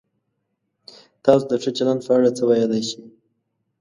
تاسو د ښه چلند په اړه څه ویلای شئ؟